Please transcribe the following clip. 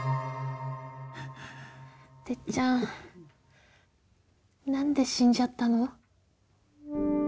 てっちゃん何で死んじゃったの？